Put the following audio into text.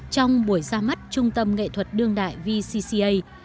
trong buổi ra mắt trung tâm nghệ thuật đương đại vca